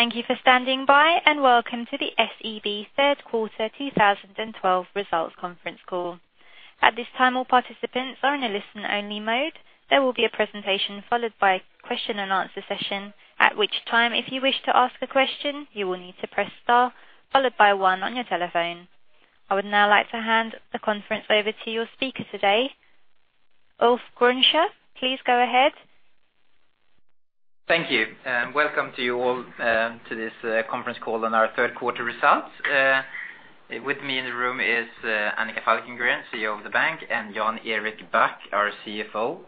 Thank you for standing by, welcome to the SEB third quarter 2012 results conference call. At this time, all participants are in a listen-only mode. There will be a presentation followed by a question and answer session, at which time, if you wish to ask a question, you will need to press star followed by one on your telephone. I would now like to hand the conference over to your speaker today, Ulf Grönberg. Please go ahead. Thank you. Welcome to you all to this conference call on our third quarter results. With me in the room is Annika Falkengren, CEO of the bank, and Jan Erik Bäck, our CFO.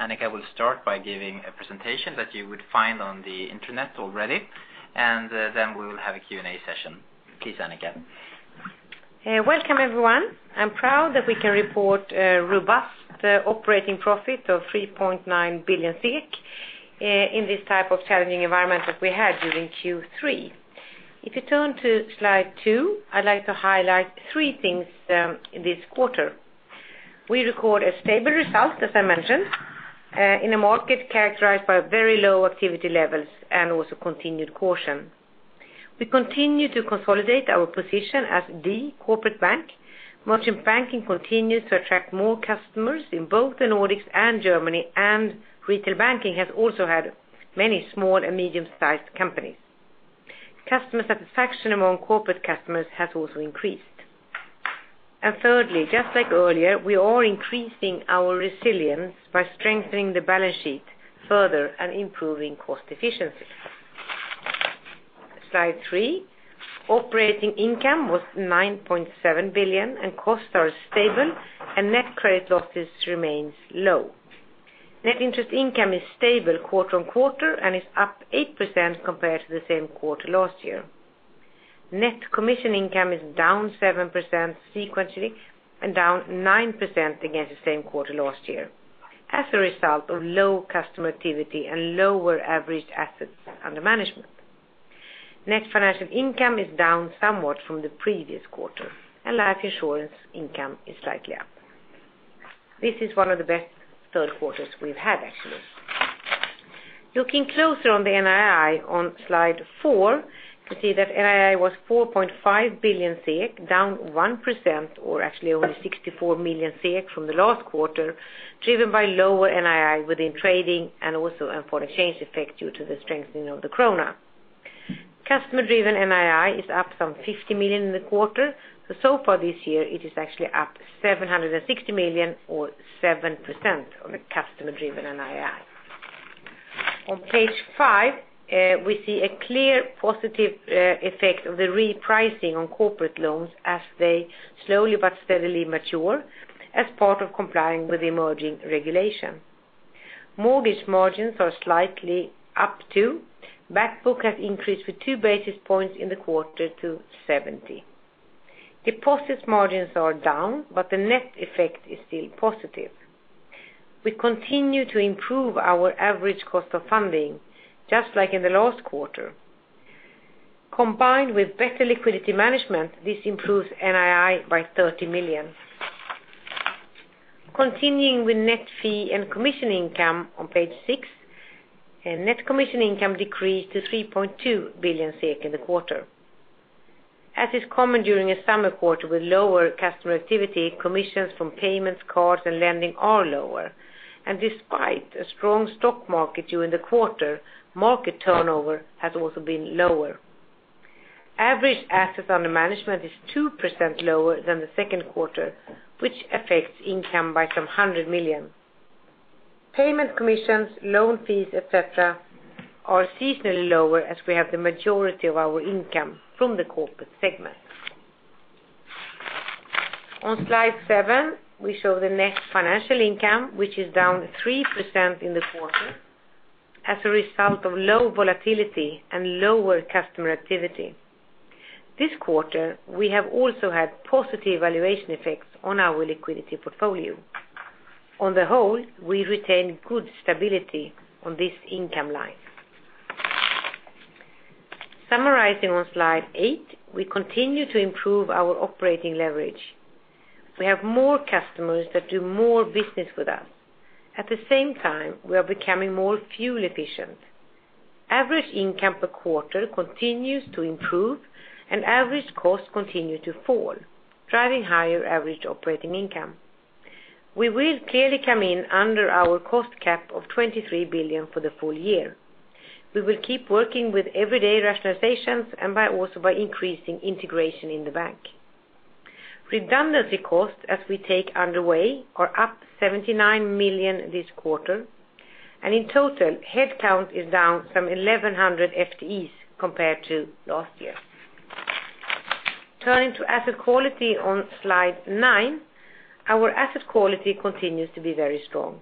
Annika will start by giving a presentation that you would find on the internet already, then we will have a Q&A session. Please, Annika. Welcome everyone. I'm proud that we can report a robust operating profit of 3.9 billion in this type of challenging environment that we had during Q3. If you turn to slide two, I'd like to highlight three things this quarter. We record a stable result, as I mentioned, in a market characterized by very low activity levels and also continued caution. We continue to consolidate our position as the corporate bank. Merchant banking continues to attract more customers in both the Nordics and Germany, and retail banking has also had many small and medium-sized companies. Customer satisfaction among corporate customers has also increased. Thirdly, just like earlier, we are increasing our resilience by strengthening the balance sheet further and improving cost efficiency. Slide three. Operating income was 9.7 billion, costs are stable and net credit losses remains low. Net interest income is stable quarter-on-quarter, is up 8% compared to the same quarter last year. Net commission income is down 7% sequentially, down 9% against the same quarter last year as a result of low customer activity and lower averaged assets under management. Net financial income is down somewhat from the previous quarter, life insurance income is slightly up. This is one of the best third quarters we've had, actually. Looking closer on the NII on slide four, you see that NII was 4.5 billion, down 1%, or actually only 64 million from the last quarter, driven by lower NII within trading, also a foreign exchange effect due to the strengthening of the krona. Customer-driven NII is up some 50 million in the quarter, so for this year it is actually up 760 million or 7% on the customer-driven NII. On page five, we see a clear positive effect of the repricing on corporate loans as they slowly but steadily mature as part of complying with emerging regulation. Mortgage margins are slightly up too. Back book has increased with two basis points in the quarter to 70. Deposit margins are down, but the net effect is still positive. We continue to improve our average cost of funding, just like in the last quarter. Combined with better liquidity management, this improves NII by 30 million. Continuing with net fee and commission income on page six. Net commission income decreased to 3.2 billion SEK in the quarter. As is common during a summer quarter with lower customer activity, commissions from payments, cards, and lending are lower. Despite a strong stock market during the quarter, market turnover has also been lower. Average assets under management is 2% lower than the second quarter, which affects income by some 100 million. Payment commissions, loan fees, et cetera, are seasonally lower as we have the majority of our income from the corporate segment. On slide seven, we show the net financial income, which is down 3% in the quarter as a result of low volatility and lower customer activity. This quarter, we have also had positive valuation effects on our liquidity portfolio. On the whole, we retain good stability on this income line. Summarizing on slide eight, we continue to improve our operating leverage. We have more customers that do more business with us. At the same time, we are becoming more fuel efficient. Average income per quarter continues to improve and average costs continue to fall, driving higher average operating income. We will clearly come in under our cost cap of 23 billion for the full year. We will keep working with everyday rationalizations and also by increasing integration in the bank. Redundancy costs as we take underway are up 79 million this quarter, and in total, headcount is down some 1,100 FTEs compared to last year. Turning to asset quality on slide nine. Our asset quality continues to be very strong.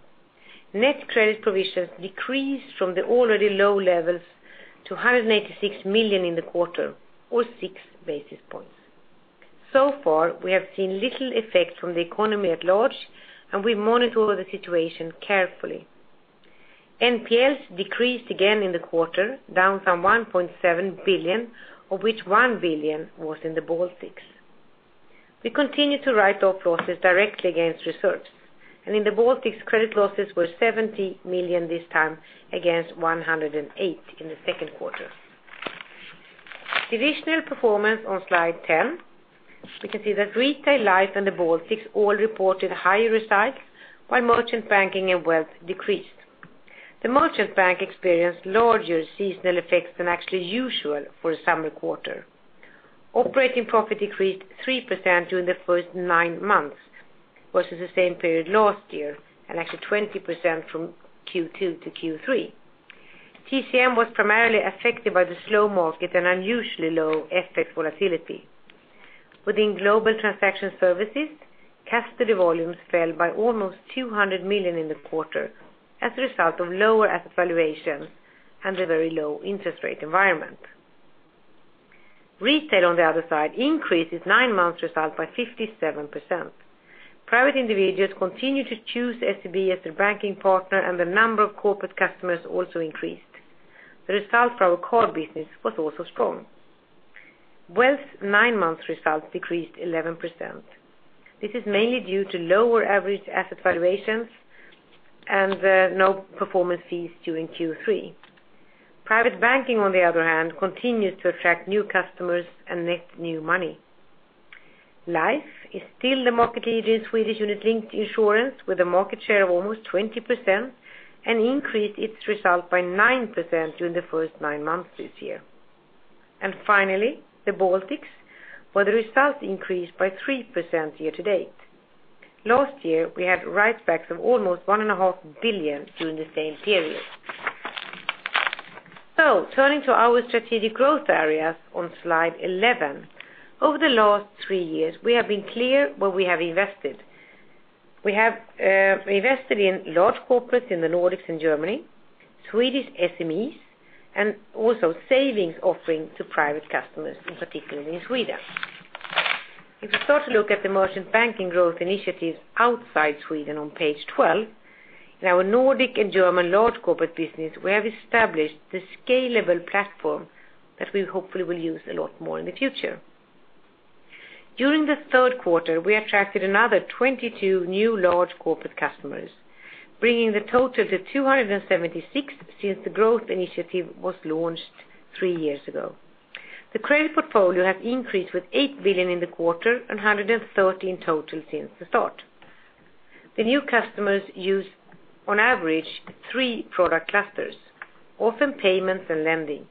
Net credit provisions decreased from the already low levels to 186 million in the quarter, or six basis points. So far, we have seen little effect from the economy at large, and we monitor the situation carefully. NPLs decreased again in the quarter, down from 1.7 billion, of which 1 billion was in the Baltics. We continue to write off losses directly against reserves. In the Baltics, credit losses were 70 million this time, against 108 million in the second quarter. Divisional performance on slide 10. We can see that retail, life, and the Baltics all reported higher results, while merchant banking and wealth decreased. The merchant bank experienced larger seasonal effects than actually usual for a summer quarter. Operating profit decreased 3% during the first nine months versus the same period last year, and actually 20% from Q2 to Q3. TCM was primarily affected by the slow market and unusually low FX volatility. Within Global Transaction Services, custody volumes fell by almost 200 million in the quarter as a result of lower asset valuations and a very low interest rate environment. Retail, on the other side, increased its nine-month result by 57%. Private individuals continued to choose SEB as their banking partner, and the number of corporate customers also increased. The result for our core business was also strong. Wealth 9-month results decreased 11%. This is mainly due to lower average asset valuations and no performance fees during Q3. Private banking, on the other hand, continues to attract new customers and net new money. Life is still the market leader in Swedish unit-linked insurance with a market share of almost 20% and increased its result by 9% during the first nine months this year. Finally, the Baltics, where the result increased by 3% year to date. Last year, we had write-backs of almost one and a half billion during the same period. Turning to our strategic growth areas on slide 11. Over the last three years, we have been clear where we have invested. We have invested in large corporates in the Nordics and Germany, Swedish SMEs, and also savings offering to private customers, in particular in Sweden. If you start to look at the merchant banking growth initiatives outside Sweden on page 12, in our Nordic and German large corporate business, we have established the scalable platform that we hopefully will use a lot more in the future. During the third quarter, we attracted another 22 new large corporate customers, bringing the total to 276 since the growth initiative was launched three years ago. The credit portfolio has increased with 8 billion in the quarter and 113 total since the start. The new customers use on average three product clusters, often payments and lending.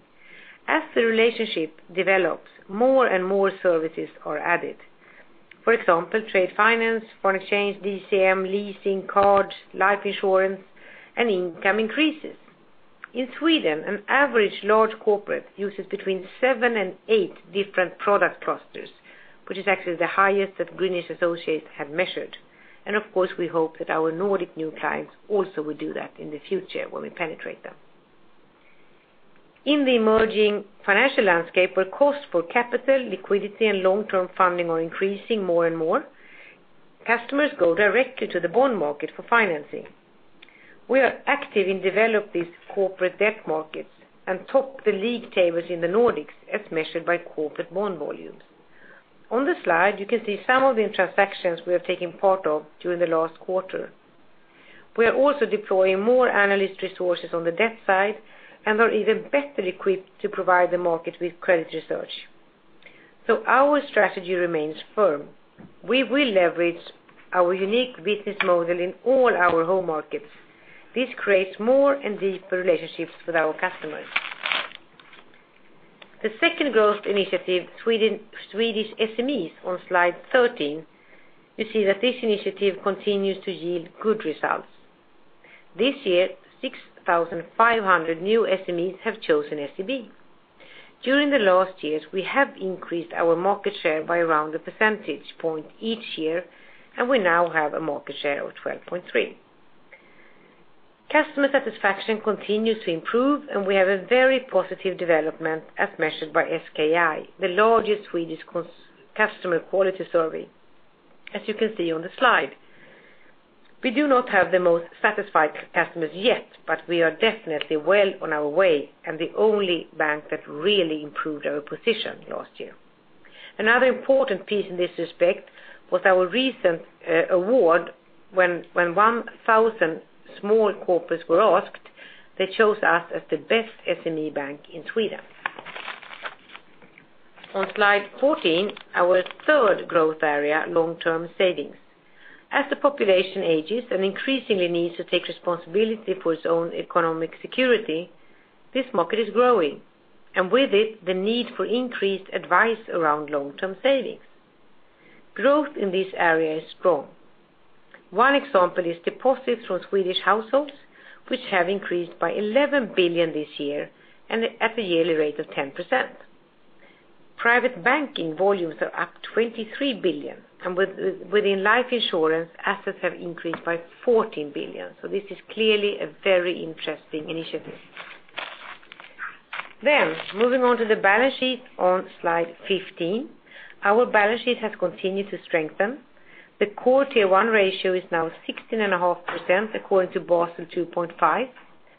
As the relationship develops, more and more services are added. For example, trade finance, foreign exchange, DCM, leasing, cards, life insurance, and income increases. In Sweden, an average large corporate uses between seven and eight different product clusters, which is actually the highest that Greenwich Associates have measured. Of course, we hope that our Nordic new clients also will do that in the future when we penetrate them. In the emerging financial landscape, where costs for capital, liquidity, and long-term funding are increasing more and more, customers go directly to the bond market for financing. We are active in developing these corporate debt markets and top the league tables in the Nordics as measured by corporate bond volumes. On the slide, you can see some of the transactions we have taken part of during the last quarter. We are also deploying more analyst resources on the debt side and are even better equipped to provide the market with credit research. Our strategy remains firm. We will leverage our unique business model in all our home markets. This creates more and deeper relationships with our customers. The second growth initiative, Swedish SMEs on slide 13. You see that this initiative continues to yield good results. This year, 6,500 new SMEs have chosen SEB. During the last years, we have increased our market share by around a percentage point each year, and we now have a market share of 12.3%. Customer satisfaction continues to improve, and we have a very positive development as measured by SKI, the largest Swedish customer quality survey, as you can see on the slide. We do not have the most satisfied customers yet, but we are definitely well on our way and the only bank that really improved our position last year. Another important piece in this respect was our recent award when 1,000 small corporates were asked, they chose us as the best SME bank in Sweden. On slide 14, our third growth area, long-term savings. As the population ages and increasingly needs to take responsibility for its own economic security, this market is growing. With it, the need for increased advice around long-term savings. Growth in this area is strong. One example is deposits from Swedish households, which have increased by 11 billion this year and at a yearly rate of 10%. Private banking volumes are up 23 billion, and within life insurance, assets have increased by 14 billion. This is clearly a very interesting initiative. Moving on to the balance sheet on slide 15. Our balance sheet has continued to strengthen. The Core Tier 1 ratio is now 16.5% according to Basel 2.5,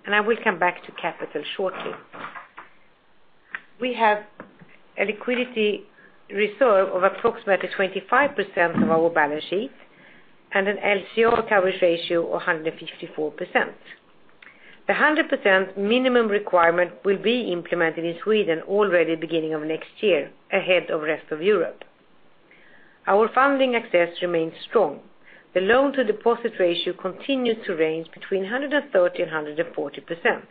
and I will come back to capital shortly. We have a liquidity reserve of approximately 25% of our balance sheet and an LCR coverage ratio of 154%. The 100% minimum requirement will be implemented in Sweden already beginning of next year, ahead of rest of Europe. Our funding access remains strong. The loan-to-deposit ratio continues to range between 130%-140%.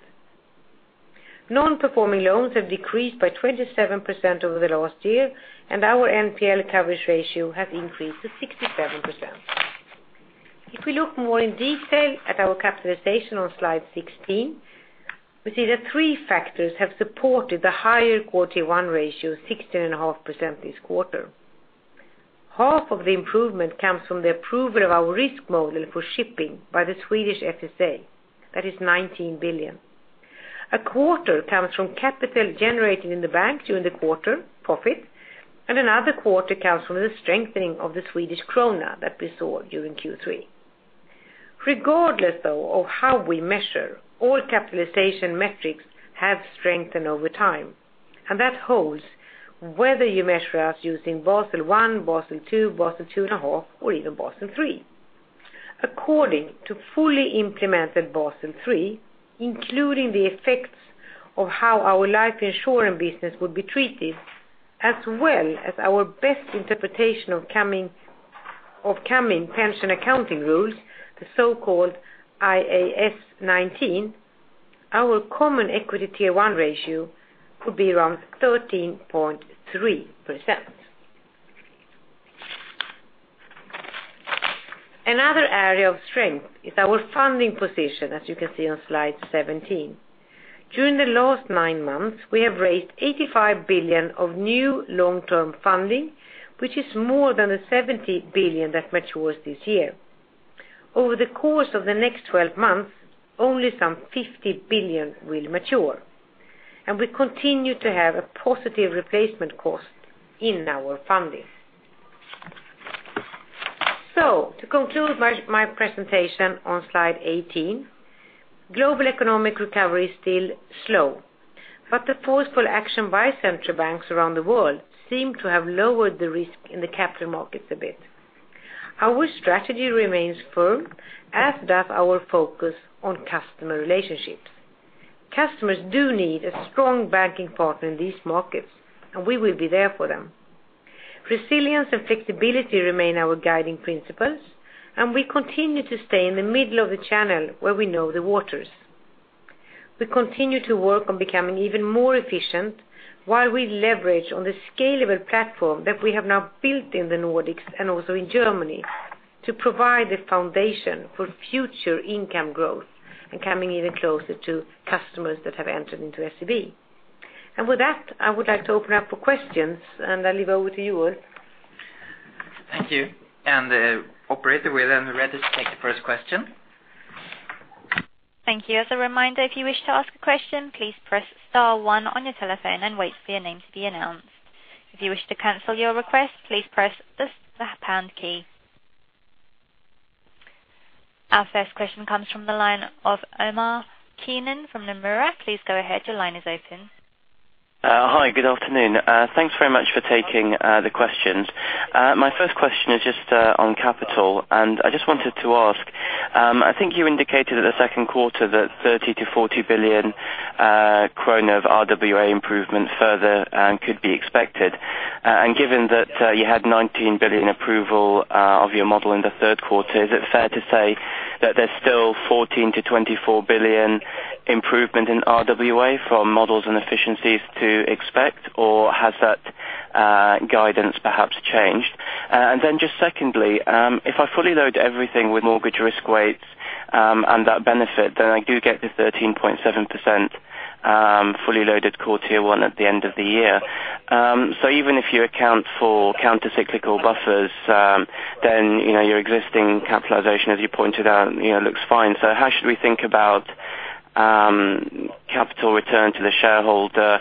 Non-performing loans have decreased by 27% over the last year, and our NPL coverage ratio has increased to 67%. If we look more in detail at our capitalization on slide 16, we see that three factors have supported the higher Core Tier 1 ratio, 16.5% this quarter. Half of the improvement comes from the approval of our risk model for shipping by the Swedish FSA, that is 19 billion. A quarter comes from capital generated in the banks during the quarter profit, and another quarter comes from the strengthening of the Swedish krona that we saw during Q3. Regardless though of how we measure, all capitalization metrics have strengthened over time. That holds whether you measure us using Basel I, Basel II, Basel 2.5, or even Basel III. According to fully implemented Basel III, including the effects of how our life insurance business would be treated, as well as our best interpretation of coming pension accounting rules, the so-called IAS 19, our Common Equity Tier 1 ratio could be around 13.3%. Another area of strength is our funding position, as you can see on slide 17. During the last nine months, we have raised 85 billion of new long-term funding, which is more than the 70 billion that matures this year. Over the course of the next 12 months, only some 50 billion will mature, and we continue to have a positive replacement cost in our funding. To conclude my presentation on slide 18, global economic recovery is still slow. The forceful action by central banks around the world seem to have lowered the risk in the capital markets a bit. Our strategy remains firm, as does our focus on customer relationships. Customers do need a strong banking partner in these markets. We will be there for them. Resilience and flexibility remain our guiding principles. We continue to stay in the middle of the channel where we know the waters. We continue to work on becoming even more efficient while we leverage on the scalable platform that we have now built in the Nordics and also in Germany to provide the foundation for future income growth and coming even closer to customers that have entered into SEB. I would like to open up for questions, and I leave over to you, Ulf. Thank you. Operator, we are ready to take the first question. Thank you. As a reminder, if you wish to ask a question, please press star one on your telephone and wait for your name to be announced. If you wish to cancel your request, please press the pound key. Our first question comes from the line of Omar Keenan from Nomura. Please go ahead. Your line is open. Hi. Good afternoon. Thanks very much for taking the questions. My first question is just on capital. I just wanted to ask, I think you indicated at the second quarter that 30 billion-40 billion krona of RWA improvement further could be expected. Given that you had 19 billion approval of your model in the third quarter, is it fair to say that there is still 14 billion-24 billion improvement in RWA from models and efficiencies to expect, or has that guidance perhaps changed? Secondly, if I fully load everything with mortgage risk weights and that benefit, I do get the 13.7% fully loaded core Tier 1 at the end of the year. Even if you account for counter cyclical buffers, your existing capitalization, as you pointed out, looks fine. How should we think about capital return to the shareholder,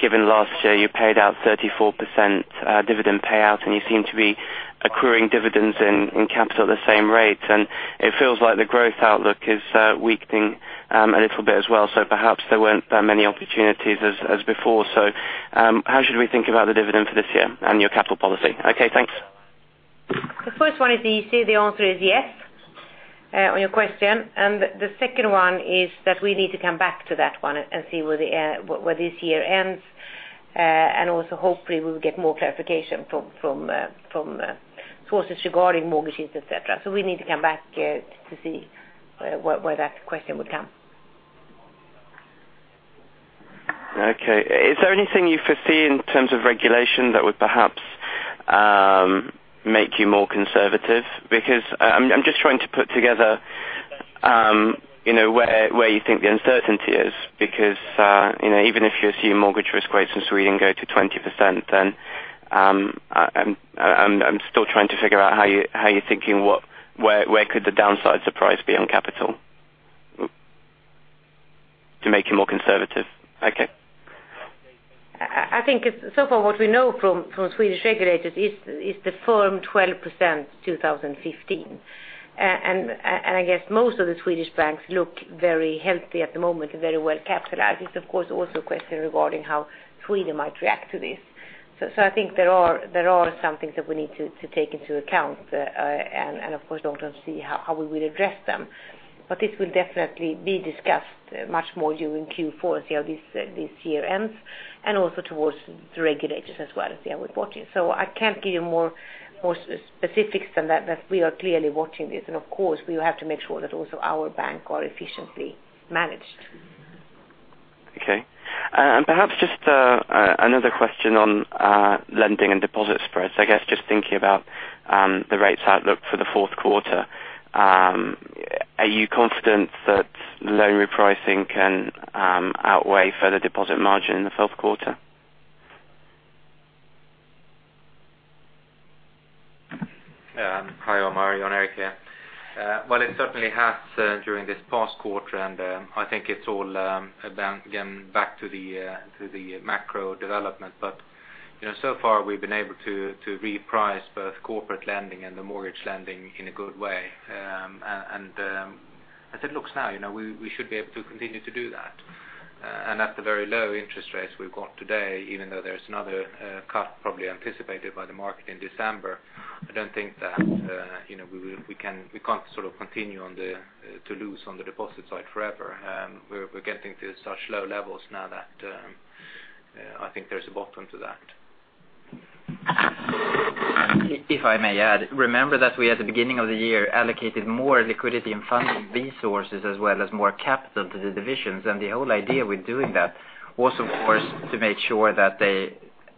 given last year you paid out 34% dividend payout, and you seem to be accruing dividends and capital at the same rate. It feels like the growth outlook is weakening a little bit as well. Perhaps there weren't that many opportunities as before. How should we think about the dividend for this year and your capital policy? Okay, thanks. The first one is easy. The answer is yes on your question. The second one is that we need to come back to that one and see where this year ends. Also, hopefully we will get more clarification from sources regarding mortgages, et cetera. We need to come back to see where that question would come. Okay. Is there anything you foresee in terms of regulation that would perhaps make you more conservative? I'm just trying to put together where you think the uncertainty is, even if you assume mortgage risk rates in Sweden go to 20%, I'm still trying to figure out how you're thinking where could the downside surprise be on capital to make you more conservative? Okay. I think so far what we know from Swedish regulators is the firm 12% 2015. I guess most of the Swedish banks look very healthy at the moment and very well capitalized. It's, of course, also a question regarding how Sweden might react to this. I think there are some things that we need to take into account and, of course, don't see how we will address them. This will definitely be discussed much more during Q4 as how this year ends and also towards the regulators as well as they are watching. I can't give you more specifics than that, but we are clearly watching this. Of course, we will have to make sure that also our bank are efficiently managed. Perhaps just another question on lending and deposit spreads. I guess just thinking about the rates outlook for the fourth quarter. Are you confident that loan repricing can outweigh further deposit margin in the fourth quarter? Hi, Omar. Jan Erik here. While it certainly has during this past quarter, I think it's all, again, back to the macro development. So far we've been able to reprice both corporate lending and the mortgage lending in a good way. As it looks now, we should be able to continue to do that. At the very low interest rates we've got today, even though there's another cut probably anticipated by the market in December, I don't think that we can't continue to lose on the deposit side forever. We're getting to such low levels now that I think there's a bottom to that. If I may add, remember that we at the beginning of the year allocated more liquidity and funding resources as well as more capital to the divisions. The whole idea with doing that was, of course, to make sure that they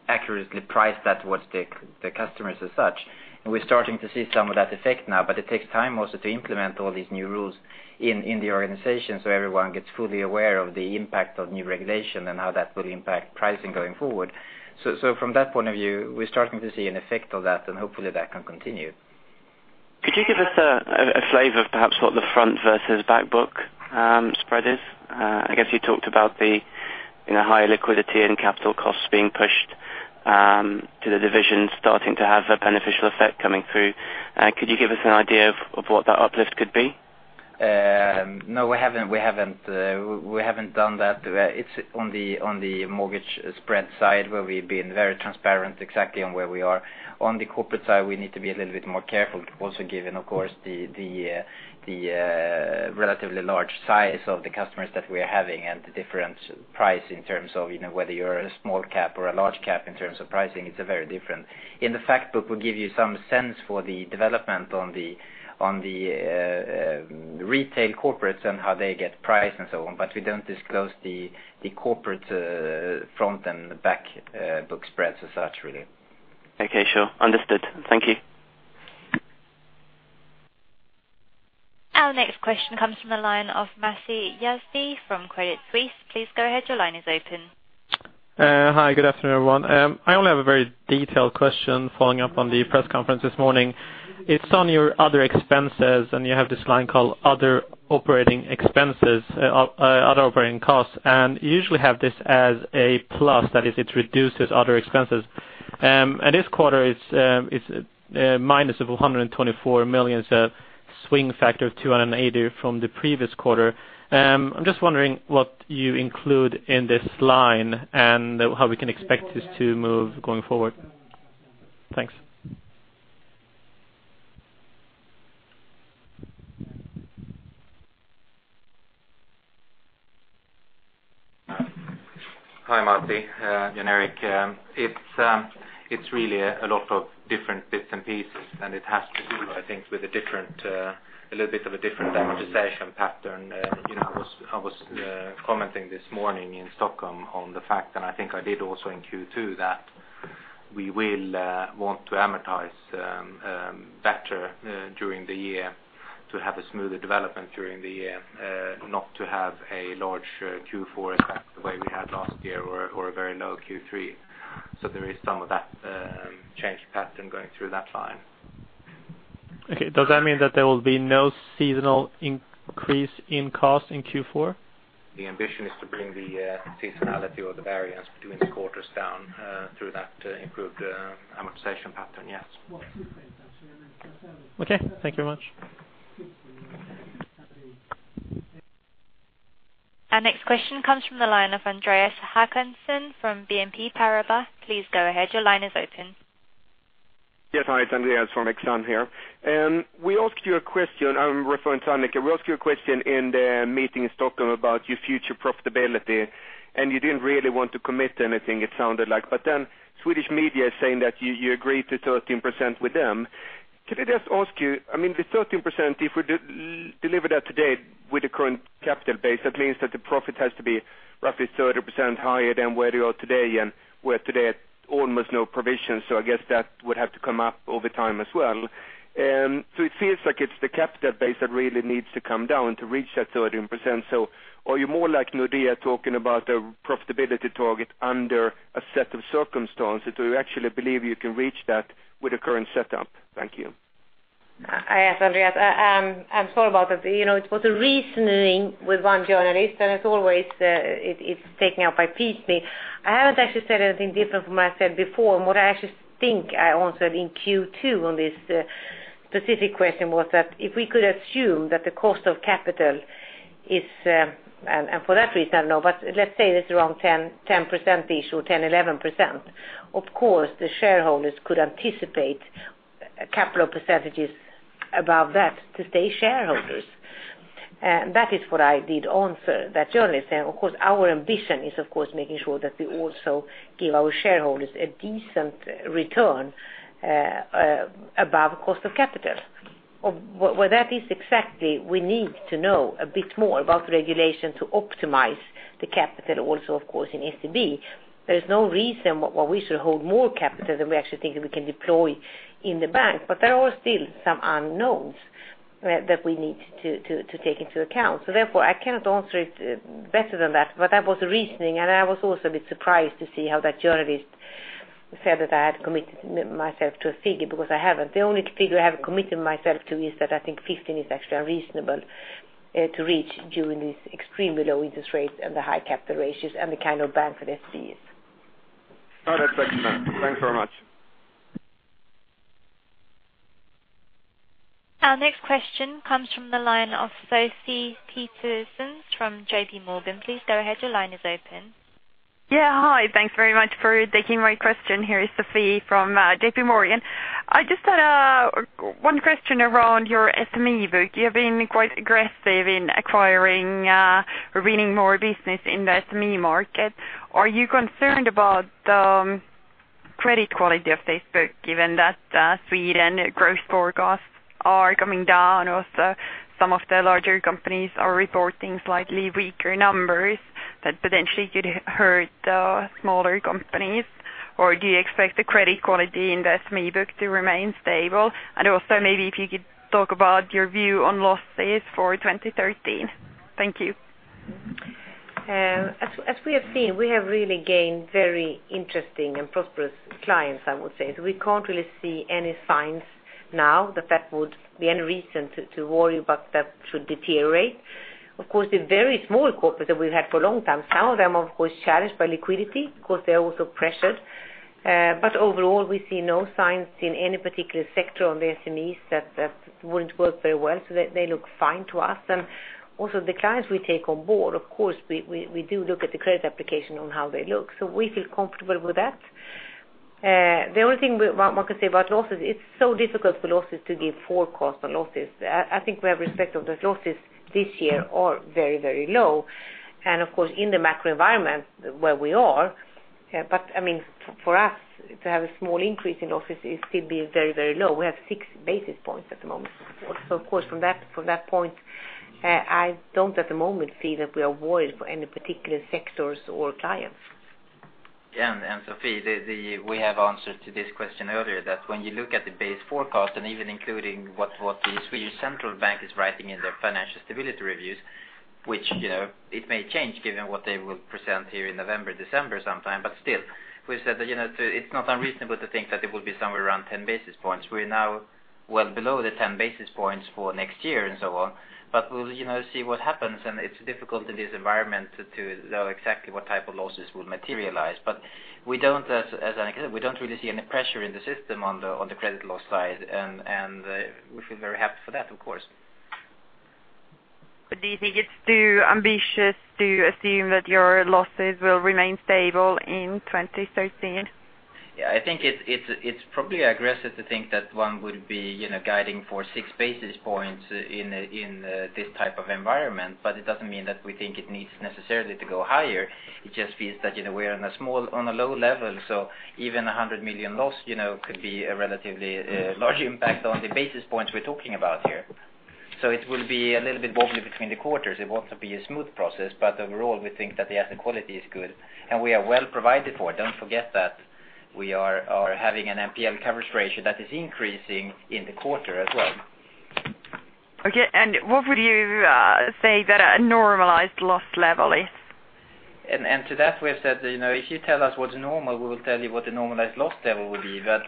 accurately price that towards the customers as such. We're starting to see some of that effect now, but it takes time also to implement all these new rules in the organization so everyone gets fully aware of the impact of new regulation and how that will impact pricing going forward. From that point of view, we're starting to see an effect of that and hopefully that can continue. Could you give us a flavor of perhaps what the front versus back book spread is? I guess you talked about the higher liquidity and capital costs being pushed to the divisions starting to have a beneficial effect coming through. Could you give us an idea of what that uplift could be? No, we haven't done that. It's on the mortgage spread side where we've been very transparent exactly on where we are. On the corporate side, we need to be a little bit more careful also given, of course, the relatively large size of the customers that we're having and the different price in terms of whether you're a small cap or a large cap in terms of pricing, it's very different. In the fact book we give you some sense for the development on the retail corporates and how they get priced and so on, but we don't disclose the corporate front and back book spreads as such, really. Okay, sure. Understood. Thank you. Our next question comes from the line of Masih Yazdi from Credit Suisse. Please go ahead. Your line is open. Hi, good afternoon, everyone. I only have a very detailed question following up on the press conference this morning. It's on your other expenses. You have this line called other operating costs, and you usually have this as a plus, that is, it reduces other expenses. This quarter it's minus of 124 million, so swing factor of 280 from the previous quarter. I'm just wondering what you include in this line and how we can expect this to move going forward. Thanks. Hi, Masih. Jan Erik. It's really a lot of different bits and pieces, and it has to do, I think, with a little bit of a different amortization pattern. I was commenting this morning in Stockholm on the fact, and I think I did also in Q2, that we will want to amortize better during the year to have a smoother development during the year, not to have a large Q4 effect the way we had last year, or a very low Q3. There is some of that change pattern going through that line. Okay. Does that mean that there will be no seasonal increase in cost in Q4? The ambition is to bring the seasonality or the variance between the quarters down through that improved amortization pattern, yes. Okay. Thank you very much. Our next question comes from the line of Andreas Håkansson from BNP Paribas. Please go ahead. Your line is open. Yes. Hi, it's Andreas from Exane here. We asked you a question, I'm referring to Annika. We asked you a question in the meeting in Stockholm about your future profitability. You didn't really want to commit anything it sounded like. Swedish media is saying that you agreed to 13% with them. Could I just ask you, I mean, the 13%, if we deliver that today with the current capital base, that means that the profit has to be roughly 30% higher than where you are today and where today at almost no provision. I guess that would have to come up over time as well. It feels like it's the capital base that really needs to come down to reach that 13%. Are you more like Nordea talking about a profitability target under a set of circumstances? Do you actually believe you can reach that with the current setup? Thank you. I asked Andreas, I'm sorry about it. It was a reasoning with one journalist. As always it's taken out by piecemeal. I haven't actually said anything different from what I said before. What I actually think I answered in Q2 on this specific question was that if we could assume that the cost of capital is, and for that reason I don't know, but let's say it's around 10% issue, 10%, 11%. Of course, the shareholders could anticipate capital percentages above that to stay shareholders. That is what I did answer that journalist. Of course, our ambition is, of course, making sure that we also give our shareholders a decent return above cost of capital. Where that is exactly, we need to know a bit more about regulation to optimize the capital also, of course, in SEB. There is no reason why we should hold more capital than we actually think we can deploy in the bank. There are still some unknowns that we need to take into account. Therefore, I cannot answer it better than that. That was the reasoning, and I was also a bit surprised to see how that journalist said that I had committed myself to a figure, because I haven't. The only figure I have committed myself to is that I think 15 is actually reasonable to reach during these extremely low interest rates and the high capital ratios and the kind of bank that SEB is. That's excellent. Thanks very much. Our next question comes from the line of Sofie Petersen from JP Morgan. Please go ahead. Your line is open. Hi. Thanks very much for taking my question. Here is Sofie from JP Morgan. I just had one question around your SME book. You have been quite aggressive in acquiring or winning more business in the SME market. Are you concerned about the credit quality of this book, given that Sweden gross forecast are coming down? Also, some of the larger companies are reporting slightly weaker numbers that potentially could hurt the smaller companies. Do you expect the credit quality in the SME book to remain stable? Also maybe if you could talk about your view on losses for 2013. Thank you. As we have seen, we have really gained very interesting and prosperous clients, I would say. We can't really see any signs now that would be any reason to worry about that should deteriorate. Of course, the very small corporate that we've had for a long time, some of them, of course, challenged by liquidity, of course, they are also pressured. Overall, we see no signs in any particular sector on the SMEs that wouldn't work very well. They look fine to us. Also the clients we take on board, of course, we do look at the credit application on how they look. We feel comfortable with that. The only thing one could say about losses, it's so difficult for losses to give forecast on losses. I think we have respect of those losses this year are very low. Of course, in the macro environment where we are. For us to have a small increase in losses is still being very low. We have six basis points at the moment. Of course, from that point, I don't at the moment see that we are worried for any particular sectors or clients. Sofie, we have answered to this question earlier, that when you look at the base forecast and even including what the Swedish Central Bank is writing in their financial stability reviews. Which it may change given what they will present here in November, December sometime. Still, we've said that it's not unreasonable to think that it will be somewhere around 10 basis points. We're now well below the 10 basis points for next year and so on. We'll see what happens. It's difficult in this environment to know exactly what type of losses will materialize. We don't really see any pressure in the system on the credit loss side, and we feel very happy for that, of course. Do you think it's too ambitious to assume that your losses will remain stable in 2013? Yeah, I think it's probably aggressive to think that one would be guiding for six basis points in this type of environment, but it doesn't mean that we think it needs necessarily to go higher. It just means that we're on a low level, so even a 100 million loss could be a relatively large impact on the basis points we're talking about here. It will be a little bit wobbly between the quarters. It won't be a smooth process, but overall, we think that the asset quality is good, and we are well provided for. Don't forget that we are having an NPL coverage ratio that is increasing in the quarter as well. Okay, and what would you say that a normalized loss level is? To that, we have said that if you tell us what's normal, we will tell you what the normalized loss level will be. But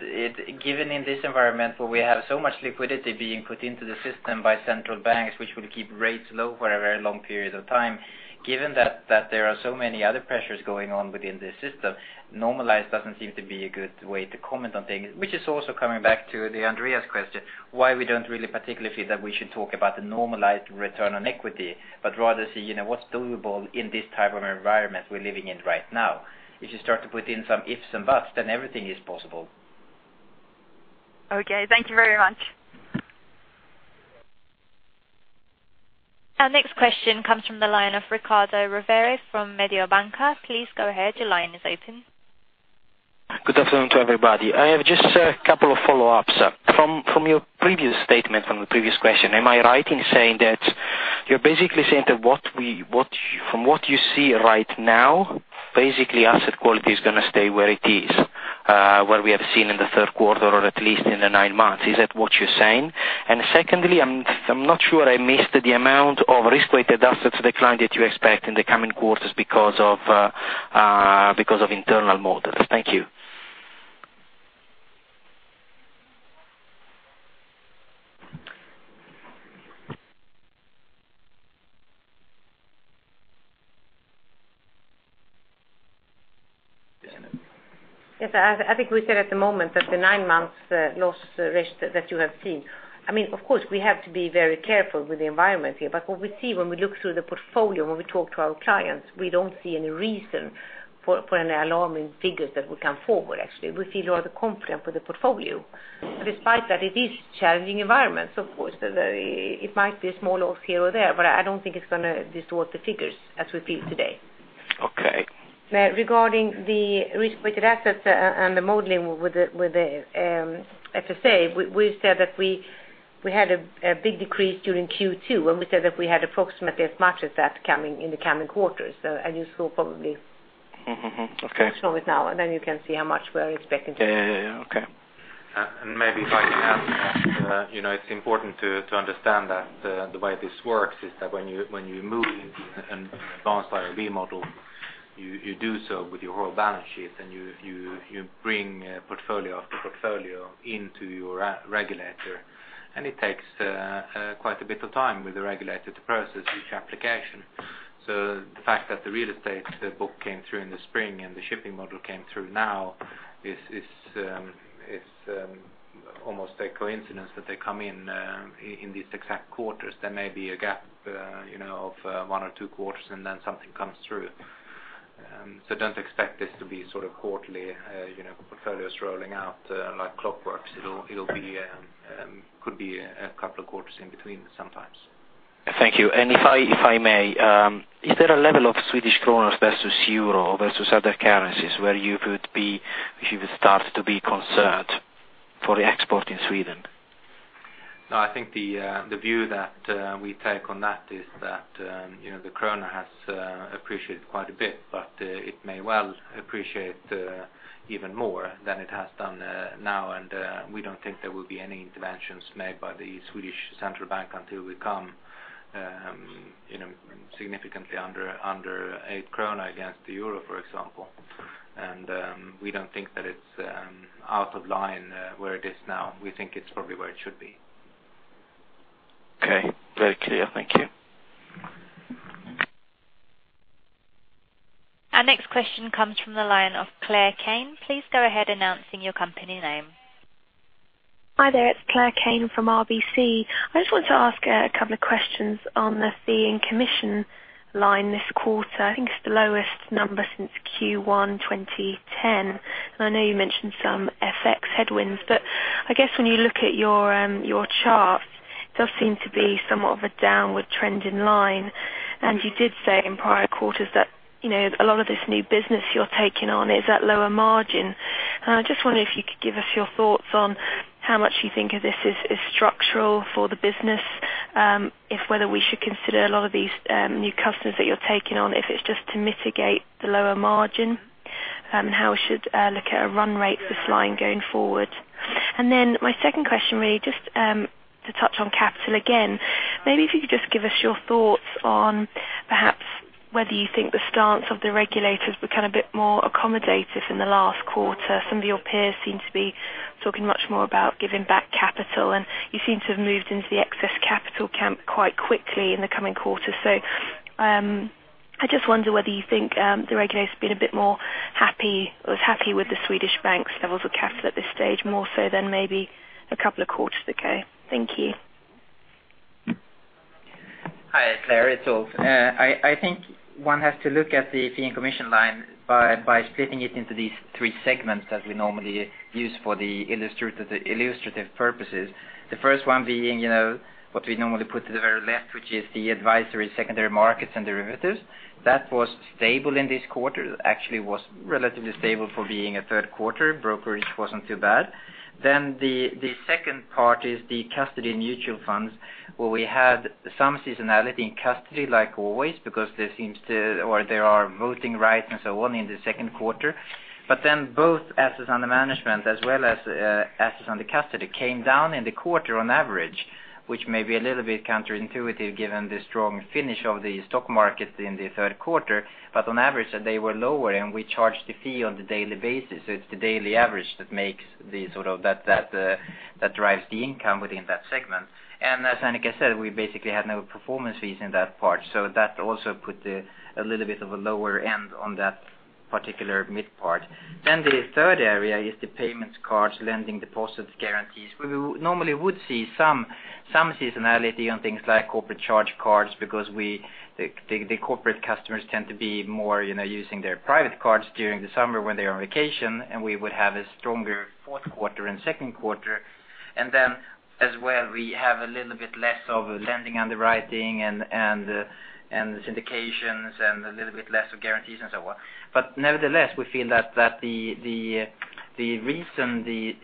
given in this environment where we have so much liquidity being put into the system by central banks, which will keep rates low for a very long period of time. Given that there are so many other pressures going on within the system, normalized doesn't seem to be a good way to comment on things. Which is also coming back to the Andreas question, why we don't really particularly feel that we should talk about the normalized return on equity, but rather see what's doable in this type of environment we're living in right now. If you start to put in some ifs and buts, then everything is possible. Okay. Thank you very much. Our next question comes from the line of Riccardo Rovere from Mediobanca. Please go ahead. Your line is open. Good afternoon to everybody. I have just a couple of follow-ups. From your previous statement from the previous question, am I right in saying that you're basically saying that from what you see right now, basically asset quality is going to stay where it is, where we have seen in the third quarter or at least in the nine months. Is that what you're saying? Secondly, I'm not sure I missed the amount of risk-weighted assets decline that you expect in the coming quarters because of internal models. Thank you. Yes. I think we said at the moment that the nine months loss that you have seen, of course, we have to be very careful with the environment here. What we see when we look through the portfolio, when we talk to our clients, we don't see any reason for any alarming figures that will come forward, actually. We feel rather confident with the portfolio. Despite that, it is challenging environment. Of course, it might be a small loss here or there, but I don't think it's going to distort the figures as we feel today. Okay. Regarding the risk-weighted assets and the modeling with the FSA, we've said that we had a big decrease during Q2, and we said that we had approximately as much as that coming in the coming quarters. Okay Short of it now, then you can see how much we are expecting. Yeah. Okay. Maybe if I can add, it's important to understand that the way this works is that when you move into an advanced IRB model, you do so with your whole balance sheet, and you bring portfolio after portfolio into your regulator, and it takes quite a bit of time with the regulator to process each application. The fact that the real estate book came through in the spring and the shipping model came through now is almost a coincidence that they come in these exact quarters. There may be a gap of one or two quarters, and then something comes through. Don't expect this to be quarterly, portfolios rolling out like clockworks. It could be a couple of quarters in between sometimes. Thank you. If I may, is there a level of Swedish kronor versus EUR, versus other currencies where you would start to be concerned for the export in Sweden? I think the view that we take on that is that the krona has appreciated quite a bit, but it may well appreciate even more than it has done now, and we don't think there will be any interventions made by the Swedish Central Bank until we come significantly under eight SEK against the EUR, for example. We don't think that it's out of line where it is now. We think it's probably where it should be. Okay. Very clear. Thank you. Our next question comes from the line of Claire Kane. Please go ahead announcing your company name. Hi there. It's Claire Kane from RBC. I just want to ask a couple of questions on the fee and commission line this quarter. I think it's the lowest number since Q1 2010. I know you mentioned some FX headwinds, but I guess when you look at your chart, there seem to be somewhat of a downward trend in line. You did say in prior quarters that a lot of this new business you're taking on is at lower margin. I just wonder if you could give us your thoughts on how much you think of this is structural for the business, if whether we should consider a lot of these new customers that you're taking on, if it's just to mitigate the lower margin, and how we should look at a run rate for this line going forward. My second question really, just to touch on capital again, maybe if you could just give us your thoughts on perhaps whether you think the stance of the regulators become a bit more accommodative in the last quarter. Some of your peers seem to be talking much more about giving back capital. You seem to have moved into the excess capital camp quite quickly in the coming quarters. I just wonder whether you think the regulator has been a bit more happy, or is happy with the Swedish banks' levels of capital at this stage, more so than maybe a couple of quarters ago. Thank you. Hi, Claire. It's Ulf. I think one has to look at the fee and commission line by splitting it into these three segments that we normally use for the illustrative purposes. The first one being what we normally put to the very left, which is the advisory, secondary markets and derivatives. That was stable in this quarter. Actually was relatively stable for being a third quarter. Brokerage wasn't too bad. The second part is the custody mutual funds, where we had some seasonality in custody like always because there are voting rights and so on in the second quarter. Both assets under management as well as assets under custody came down in the quarter on average, which may be a little bit counterintuitive given the strong finish of the stock market in the third quarter. On average, they were lower, and we charge the fee on the daily basis. It's the daily average that drives the income within that segment. As Annika said, we basically had no performance fees in that part. That also put a little bit of a lower end on that particular mid part. The third area is the payments, cards, lending, deposits, guarantees. We normally would see some seasonality on things like corporate charge cards because the corporate customers tend to be more using their private cards during the summer when they are on vacation, and we would have a stronger fourth quarter and second quarter. As well, we have a little bit less of lending underwriting and syndications and a little bit less of guarantees and so on. Nevertheless, we feel that the reason the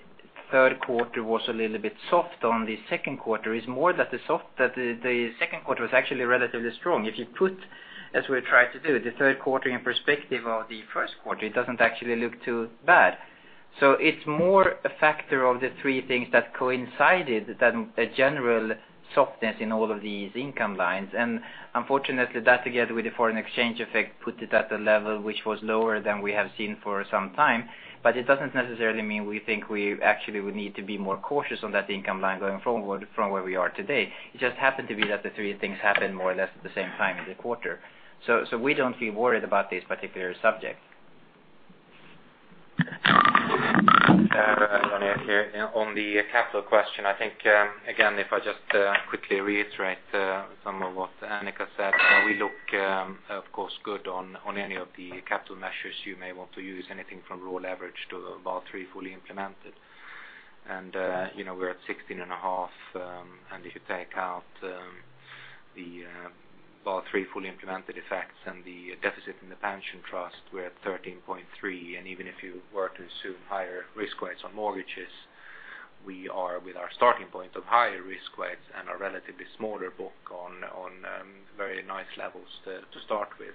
third quarter was a little bit soft on the second quarter is more that the second quarter was actually relatively strong. If you put, as we try to do, the third quarter in perspective of the first quarter, it doesn't actually look too bad. It's more a factor of the three things that coincided than a general softness in all of these income lines. Unfortunately, that together with the foreign exchange effect put it at a level which was lower than we have seen for some time. It doesn't necessarily mean we think we actually would need to be more cautious on that income line going forward from where we are today. It just happened to be that the three things happened more or less at the same time in the quarter. We don't feel worried about this particular subject. On the capital question, I think, again, if I just quickly reiterate some of what Annika said. We look, of course, good on any of the capital measures you may want to use, anything from raw leverage to Basel III fully implemented. We're at 16.5%. If you take out the Basel III fully implemented effects and the deficit in the pension trust, we're at 13.3%. Even if you were to assume higher risk weights on mortgages, we are with our starting point of higher risk weights and a relatively smaller book on very nice levels to start with.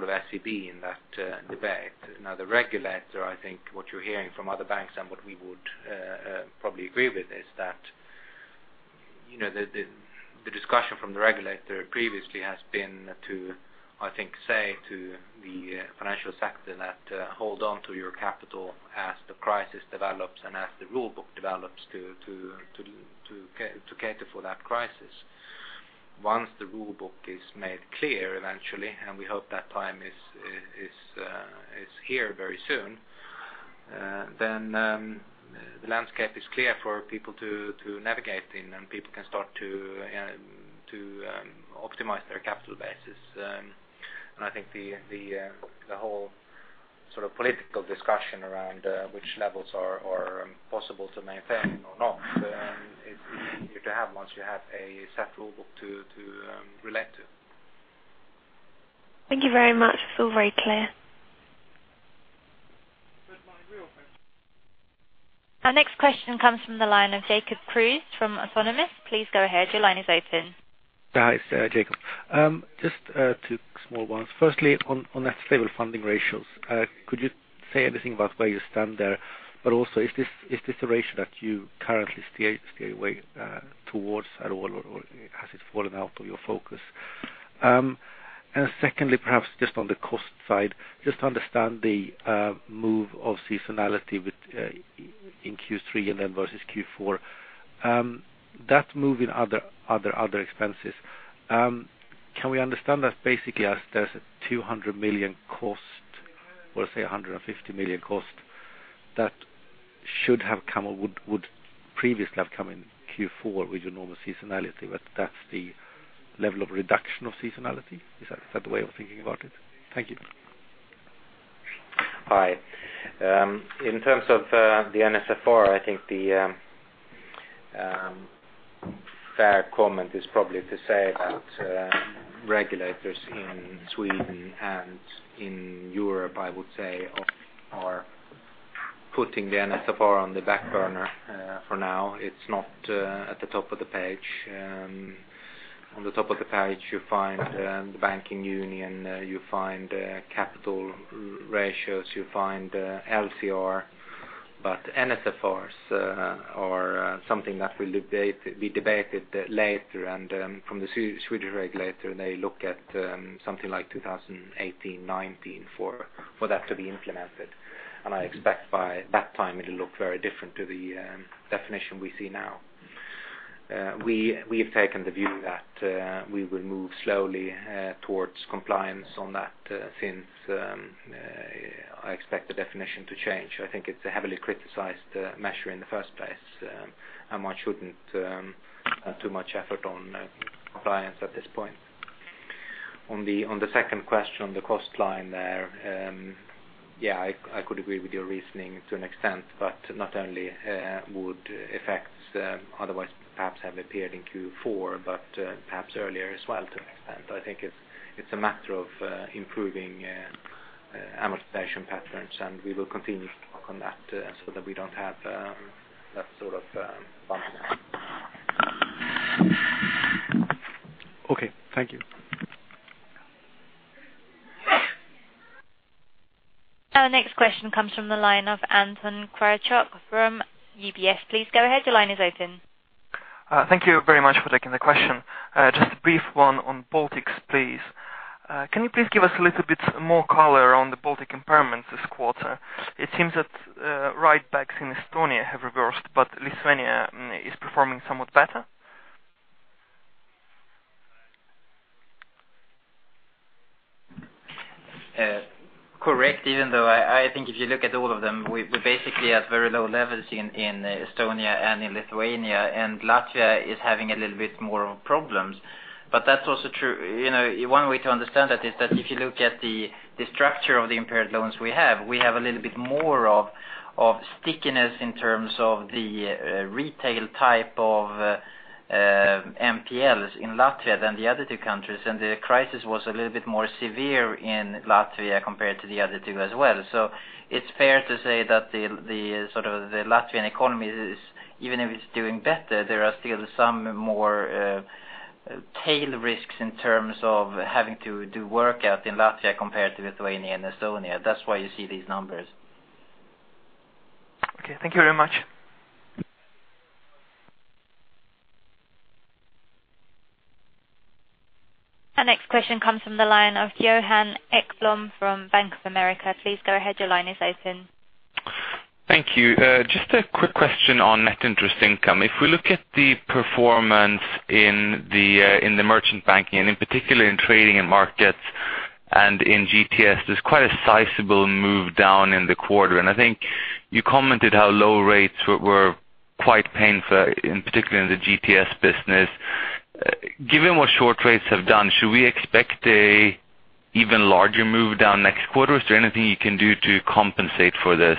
That's SEB in that debate. Now, the regulator, I think what you're hearing from other banks and what we would probably agree with is that the discussion from the regulator previously has been to, I think, say to the financial sector, hold on to your capital as the crisis develops and as the rule book develops to cater for that crisis. Once the rule book is made clear eventually, and we hope that time is here very soon, then the landscape is clear for people to navigate in, and people can start to optimize their capital bases. I think the whole political discussion around which levels are possible to maintain or not is easier to have once you have a set rule book to relate to. Thank you very much. It's all very clear. Next line, we are open. Our next question comes from the line of Jacob Kruse from Autonomous. Please go ahead. Your line is open. Hi, it's Jacob. Just two small ones. Firstly, on net stable funding ratios, could you say anything about where you stand there? Is this a ratio that you currently steer away towards at all, or has it fallen out of your focus? Secondly, perhaps just on the cost side, just to understand the move of seasonality in Q3 versus Q4. That move in other expenses, can we understand that basically as there's a 200 million cost, or say 150 million cost that should have come, or would previously have come in Q4 with your normal seasonality, but that's the level of reduction of seasonality? Is that the way of thinking about it? Thank you. Hi. In terms of the NSFR, I think the fair comment is probably to say that regulators in Sweden and in Europe, I would say, are putting the NSFR on the back burner for now. It's not at the top of the page. On the top of the page, you find the banking union, you find capital ratios, you find LCR. NSFRs are something that will be debated later, and from the Swedish regulator, they look at something like 2018, 2019 for that to be implemented. I expect by that time it'll look very different to the definition we see now. We have taken the view that we will move slowly towards compliance on that, since I expect the definition to change. I think it's a heavily criticized measure in the first place, and one shouldn't put too much effort on compliance at this point. On the second question, the cost line there. Yeah, I could agree with your reasoning to an extent, but not only would effects otherwise perhaps have appeared in Q4, but perhaps earlier as well to an extent. I think it's a matter of improving amortization patterns, and we will continue to work on that so that we don't have that sort of bump now. Okay. Thank you. Our next question comes from the line of Anton Kryachok from UBS. Please go ahead. Your line is open. Thank you very much for taking the question. Just a brief one on Baltics, please. Can you please give us a little bit more color on the Baltic impairments this quarter? It seems that write-backs in Estonia have reversed, but Lithuania is performing somewhat better? Correct. Even though I think if you look at all of them, we're basically at very low levels in Estonia and in Lithuania, and Latvia is having a little bit more of problems. That's also true. One way to understand that is that if you look at the structure of the impaired loans we have, we have a little bit more of stickiness in terms of the retail type of NPLs in Latvia than the other two countries, and the crisis was a little bit more severe in Latvia compared to the other two as well. It's fair to say that the Latvian economy is, even if it's doing better, there are still some more tail risks in terms of having to do work out in Latvia compared to Lithuania and Estonia. That's why you see these numbers. Okay. Thank you very much. Our next question comes from the line of Johan Ekblom from Bank of America. Please go ahead, your line is open. Thank you. Just a quick question on net interest income. If we look at the performance in the merchant banking, and in particular, in trading and markets and in GTS, there's quite a sizable move down in the quarter. I think you commented how low rates were quite painful in particular in the GTS business. Given what short rates have done, should we expect a even larger move down next quarter? Is there anything you can do to compensate for this?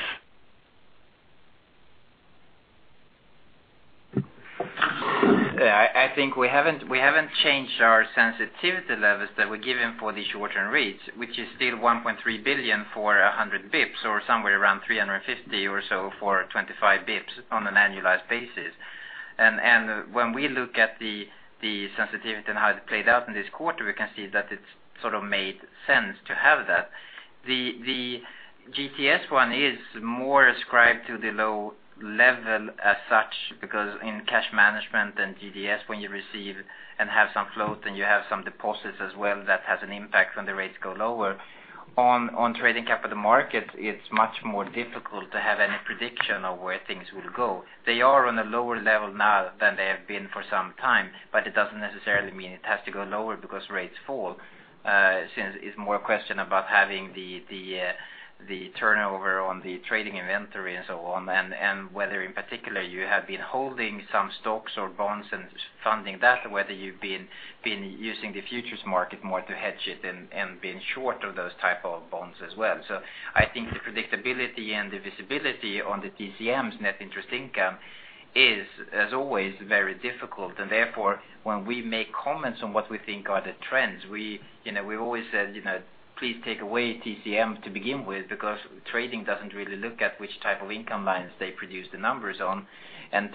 I think we haven't changed our sensitivity levels that we've given for the short-term rates, which is still 1.3 billion for 100 basis points or somewhere around 350 or so for 25 basis points on an annualized basis. When we look at the sensitivity and how it played out in this quarter, we can see that it's sort of made sense to have that. The GTS one is more ascribed to the low level as such because in cash management and GTS when you receive and have some float and you have some deposits as well, that has an impact when the rates go lower. On trading capital markets, it's much more difficult to have any prediction of where things will go. They are on a lower level now than they have been for some time, but it doesn't necessarily mean it has to go lower because rates fall. Since it's more a question about having the turnover on the trading inventory and so on, and whether in particular you have been holding some stocks or bonds and funding that or whether you've been using the futures market more to hedge it and been short of those type of bonds as well. I think the predictability and the visibility on the TCM's net interest income is, as always, very difficult. Therefore when we make comments on what we think are the trends, we always said, please take away TCM to begin with because trading doesn't really look at which type of income lines they produce the numbers on.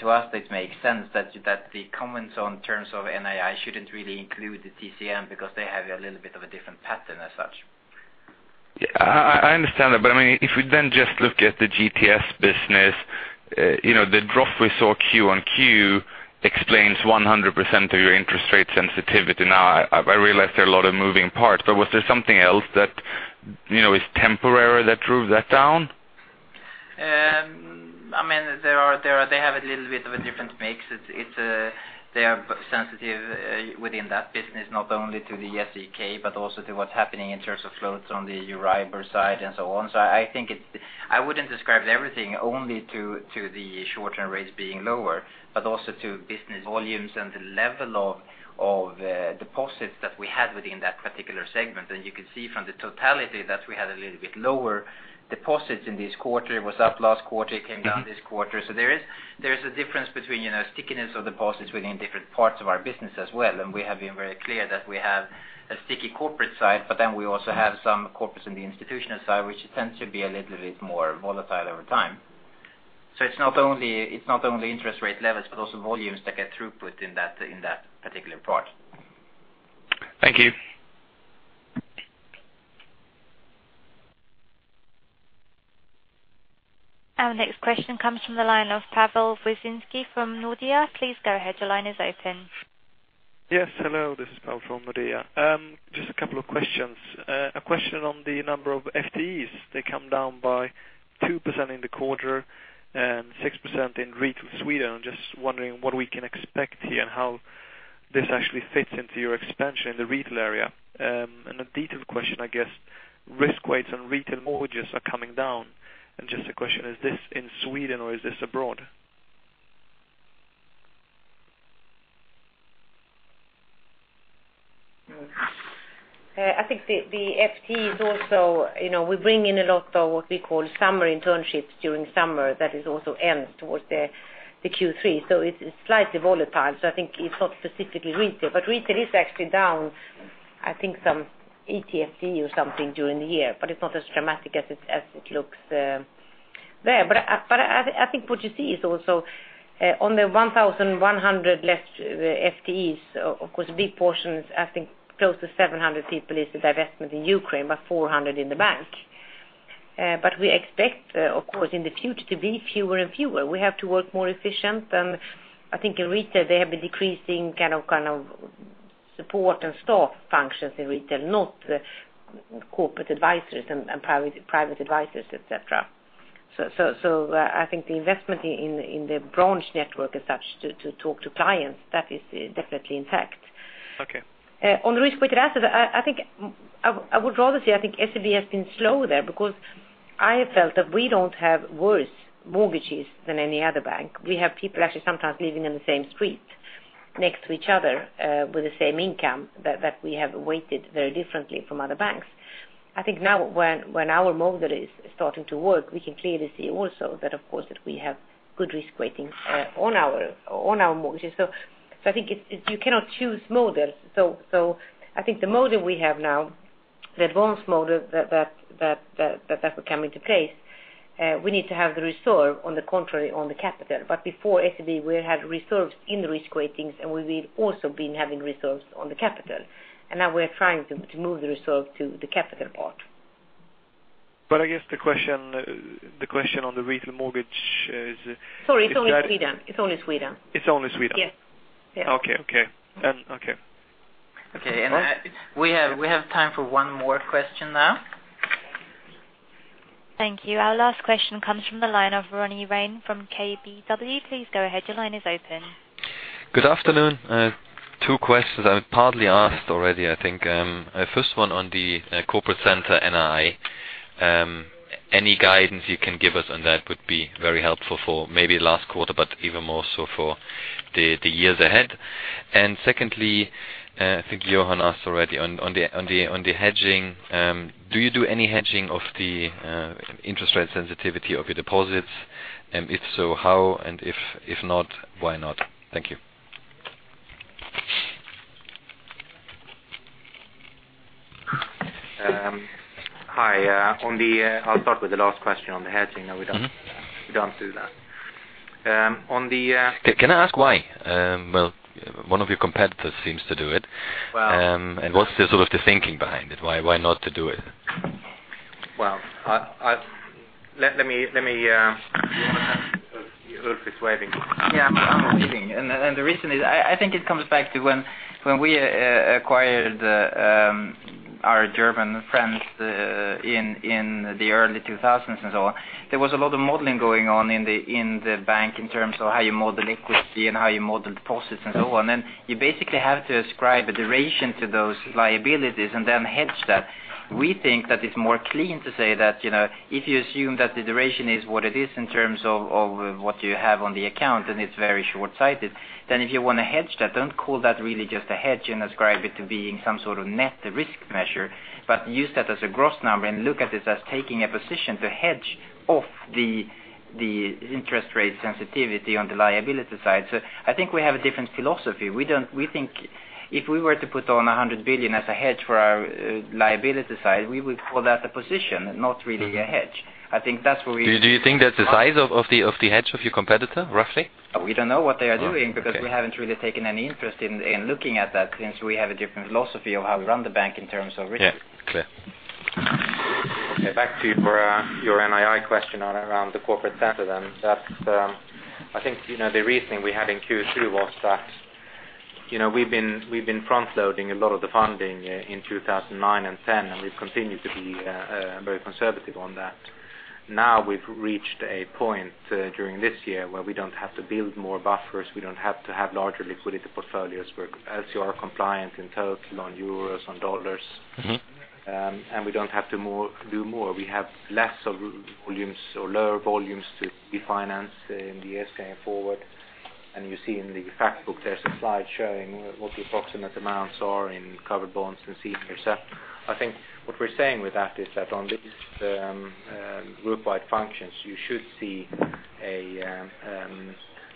To us it makes sense that the comments on terms of NII shouldn't really include the TCM because they have a little bit of a different pattern as such. Yeah, I understand that. If we then just look at the GTS business, the drop we saw Q on Q explains 100% of your interest rate sensitivity. I realize there are a lot of moving parts, but was there something else that is temporary that drove that down? They have a little bit of a different mix. They are sensitive within that business, not only to the SEK but also to what's happening in terms of floats on the EURIBOR side and so on. I wouldn't describe everything only to the short-term rates being lower, but also to business volumes and the level of deposits that we had within that particular segment. You can see from the totality that we had a little bit lower deposits in this quarter. It was up last quarter, it came down this quarter. There is a difference between stickiness of deposits within different parts of our business as well, and we have been very clear that we have a sticky corporate side, but then we also have some corporates in the institutional side which tends to be a little bit more volatile over time. It's not only interest rate levels but also volumes that get throughput in that particular part. Thank you. Our next question comes from the line of Pawel Brzezinski from Nordea. Please go ahead. Your line is open. Yes. Hello, this is Pawel from Nordea. Just a couple of questions. A question on the number of FTEs. They come down by 2% in the quarter and 6% in retail Sweden. I'm just wondering what we can expect here and how this actually fits into your expansion in the retail area. A detailed question, I guess risk weights on retail mortgages are coming down. Just a question, is this in Sweden or is this abroad? I think the FTEs also we bring in a lot of what we call summer internships during summer that is also ends towards the Q3. It's slightly volatile. I think it's not specifically retail, but retail is actually down I think some FTE or something during the year, but it's not as dramatic as it looks there. I think what you see is also on the 1,100 less FTEs, of course a big portion is I think close to 700 people is the divestment in Ukraine, but 400 in the bank. We expect, of course in the future to be fewer and fewer. We have to work more efficient. I think in retail they have been decreasing support and staff functions in retail, not corporate advisors and private advisors, et cetera. I think the investment in the branch network as such to talk to clients, that is definitely intact. Okay. On risk-weighted assets, I would rather say I think SEB has been slow there because I felt that we don't have worse mortgages than any other bank. We have people actually sometimes living in the same street next to each other with the same income that we have weighted very differently from other banks. I think now when our model is starting to work, we can clearly see also that of course that we have good risk weighting on our mortgages. I think you cannot choose models. I think the model we have now, the advanced model that will come into place we need to have the reserve on the contrary on the capital. Before SEB we had reserves in the risk weightings and we will also been having reserves on the capital, and now we're trying to move the reserve to the capital part. I guess the question on the retail mortgage is- Sorry, it's only Sweden. It's only Sweden? Yes. Okay. Okay. We have time for one more question now. Thank you. Our last question comes from the line of Ronny Rehn from KBW. Please go ahead. Your line is open. Good afternoon. Two questions. Partly asked already, I think. First one on the corporate center NII. Any guidance you can give us on that would be very helpful for maybe last quarter, but even more so for the years ahead. Secondly, I think Johan asked already on the hedging, do you do any hedging of the interest rate sensitivity of your deposits? If so, how? If not, why not? Thank you. Hi, I'll start with the last question on the hedging. No, we don't do that. Can I ask why? One of your competitors seems to do it. Well. What's the thinking behind it? Why not to do it? Well, let me Ulf is waving. Yeah, I'm waving. The reason is, I think it comes back to when we acquired our German friends in the early 2000s and so on. There was a lot of modeling going on in the bank in terms of how you model equity and how you model deposits and so on, and you basically have to ascribe a duration to those liabilities and then hedge that. We think that it's more clean to say that, if you assume that the duration is what it is in terms of what you have on the account, and it's very short-sighted, then if you want to hedge that, don't call that really just a hedge and ascribe it to being some sort of net risk measure, but use that as a gross number and look at it as taking a position to hedge off the interest rate sensitivity on the liability side. I think we have a different philosophy. We think if we were to put on 100 billion as a hedge for our liability side, we would call that a position, not really a hedge. I think that's where we- Do you think that's the size of the hedge of your competitor, roughly? We don't know what they are doing because we haven't really taken any interest in looking at that since we have a different philosophy of how we run the bank in terms of risk. Yeah. Clear. Back to you for your NII question around the corporate center. That, I think, the reasoning we had in Q2 was that we've been front-loading a lot of the funding in 2009 and 2010, and we've continued to be very conservative on that. Now we've reached a point during this year where we don't have to build more buffers, we don't have to have larger liquidity portfolios. We're LCR compliant in total on euros, on dollars. We don't have to do more. We have less volumes or lower volumes to refinance in the years going forward. You see in the fact book there's a slide showing what the approximate amounts are in covered bonds and senior. I think what we're saying with that is that on these group-wide functions, you should see a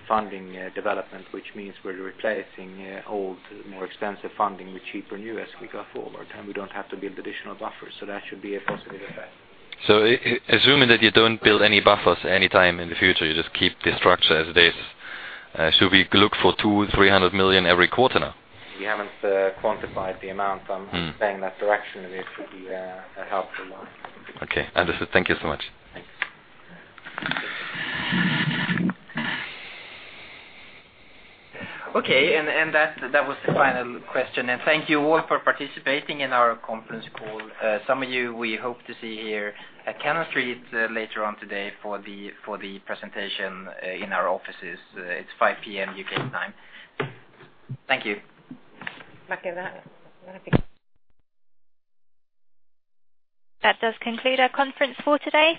funding development, which means we're replacing old, more expensive funding with cheaper, new as we go forward, and we don't have to build additional buffers. That should be a positive effect. Assuming that you don't build any buffers any time in the future, you just keep the structure as it is. Should we look for 200 million-300 million every quarter now? We haven't quantified the amount. I'm saying that directionally it should be a helpful one. Understood. Thank you so much. Thanks. That was the final question. Thank you all for participating in our conference call. Some of you we hope to see here at Cannon Street later on today for the presentation in our offices. It's 5:00 P.M. U.K. time. Thank you. That does conclude our conference for today.